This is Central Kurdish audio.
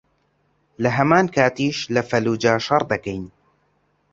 لەهەمان کاتیش لە فەللوجە شەڕ دەکەین